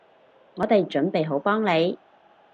我哋準備好幫你